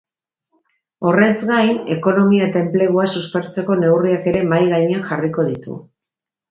Horrez gain, ekonomia eta enplegua suspertzeko neurriak ere mahai gainean jarriko ditu.